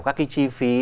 các cái chi phí